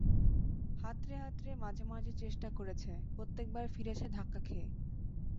হাতড়ে হাতড়ে মাঝে মাঝে চেষ্টা করেছে, প্রত্যেকবার ফিরেছে ধাক্কা খেয়ে।